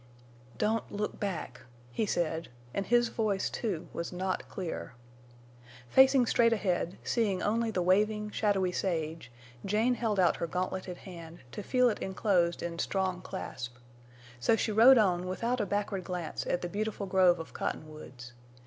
"Don't—look—back!" he said, and his voice, too, was not clear. [Illustration: "Don't—look—back!"] Facing straight ahead, seeing only the waving, shadowy sage, Jane held out her gauntleted hand, to feel it enclosed in strong clasp. So she rode on without a backward glance at the beautiful grove of Cottonwoods.